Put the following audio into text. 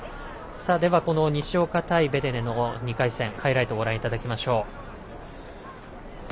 では、この西岡対ベデネの２回戦ハイライト、ご覧いただきます。